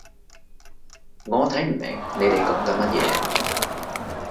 我睇唔明你哋講緊乜嘢